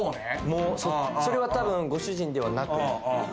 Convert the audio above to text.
それは、たぶんご主人ではなく。